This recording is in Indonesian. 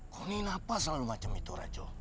kok ini nafas selalu macam itu rajo